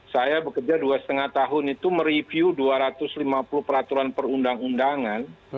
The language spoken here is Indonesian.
saya bekerja dua lima tahun itu mereview dua ratus lima puluh peraturan perundang undangan